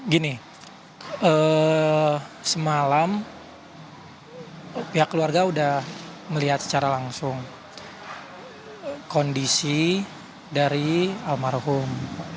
gini semalam pihak keluarga sudah melihat secara langsung kondisi dari almarhum